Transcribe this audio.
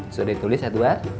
sudah tulis ya dua